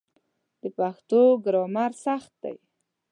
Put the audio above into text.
د پښتو ګرامر سخت ده